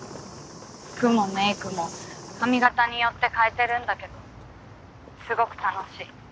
服もメイクも髪形によって変えてるんだけどすごく楽しい。